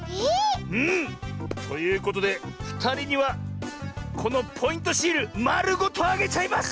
うん。ということでふたりにはこのポイントシールまるごとあげちゃいます！